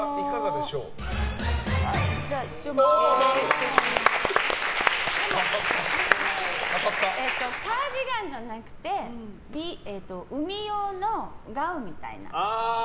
でも、カーディガンじゃなくて海用のガウンみたいな。